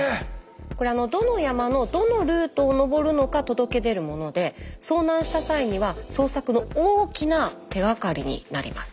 これどの山のどのルートを登るのか届け出るもので遭難した際には捜索の大きな手がかりになります。